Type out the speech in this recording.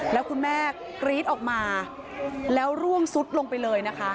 แล้วคุณแม่กรี๊ดออกมาแล้วร่วงซุดลงไปเลยนะคะ